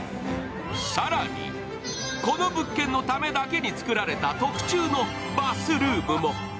更に、この物件のためだけにつくられた特注のバスルームも。